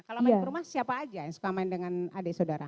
kalau main ke rumah siapa aja yang suka main dengan adik saudara